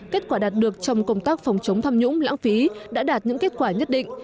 kết quả đạt được trong công tác phòng chống tham nhũng lãng phí đã đạt những kết quả nhất định